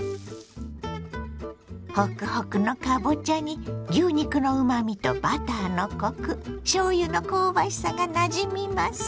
ホクホクのかぼちゃに牛肉のうまみとバターのコクしょうゆの香ばしさがなじみます。